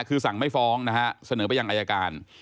คือสั่งไม่ฟ้องเสนอไปอย่างอัยการ